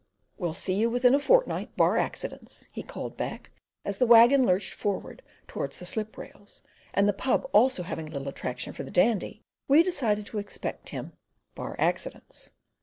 "You'll see me within a fortnight, bar accidents" he called back, as the waggon lurched forward towards the slip rails; and the pub also having little attraction for the Dandy, we decided to expect him, "bar accidents."